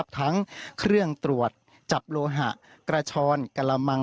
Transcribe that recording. ทั้งเครื่องตรวจจับโลหะกระชอนกระมัง